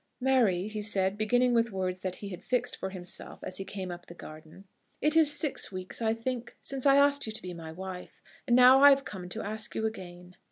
"Mary," he said, beginning with words that he had fixed for himself as he came up the garden, "it is six weeks, I think, since I asked you to be my wife; and now I have come to ask you again."